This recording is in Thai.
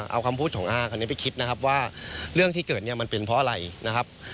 เอาคำพูดของอาคันนี้ไปคิดนะครับว่าเรื่องที่เกิดเนี่ยมันเป็นเพราะอะไรนะครับ